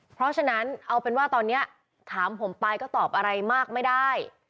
เพราะฉะนั้นเอาเป็นว่าตอนนี้ถามผมไปก็ตอบอะไรมากไม่ได้